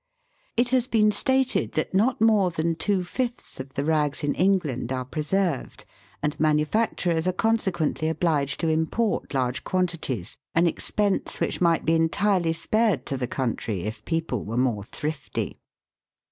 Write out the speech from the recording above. It has been stated that not more than two fifths of the rags in England are preserved, and manufacturers are consequently obliged to import large quantities, an expense which might be entirely spared to the country if people were more thrifty.